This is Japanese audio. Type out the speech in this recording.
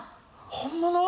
本物？